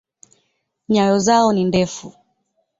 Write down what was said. Nyayo zao ni ndefu.